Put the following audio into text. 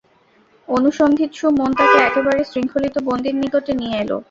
অনুসন্ধিৎসু মন তাকে একেবারে শৃঙ্খলিত বন্দীর নিকটে নিয়ে এল।